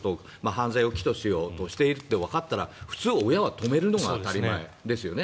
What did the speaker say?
犯罪を企図しようとしているとわかったら普通、親は止めるのが当たり前ですよね。